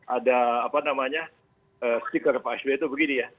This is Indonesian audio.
ada apa namanya stiker pak sby itu begini ya